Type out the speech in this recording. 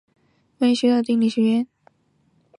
同年雷丁议会将原先的文理学院并入雷丁学院。